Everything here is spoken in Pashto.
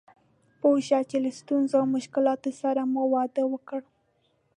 پوه شه چې له ستونزو او مشکلاتو سره مو واده وکړ.